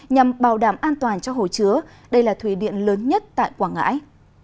nhằm bảo đảm an toàn cho hồ chứa đây là thủy điện lớn nhất tại quảng ngãi